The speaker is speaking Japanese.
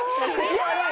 やばい！